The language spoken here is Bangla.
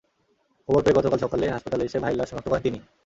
খবর পেয়ে গতকাল সকালে হাসপাতালে এসে ভাইয়ের লাশ শনাক্ত করেন তিনি।